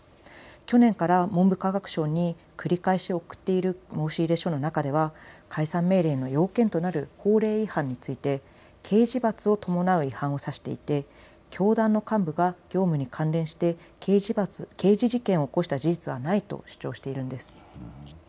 去年から文部科学省に繰り返し送っている申し入れ書の中では解散命令の要件となる法令違反について刑事罰を伴う違反を指していて教団の幹部が業務に関連して刑事事件を起こした事実はないと主張しているんです。